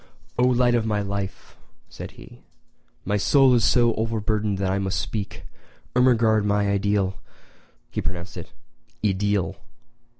"O light of my life," said he, "my soul is so overburdened that I must speak! Ermengarde, my ideal [he pronounced it i deel!